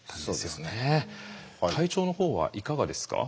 体調のほうはいかがですか？